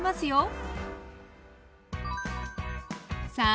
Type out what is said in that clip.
さあ